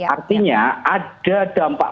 artinya ada dampak